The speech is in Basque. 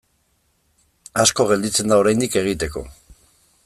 Asko gelditzen da oraindik egiteko.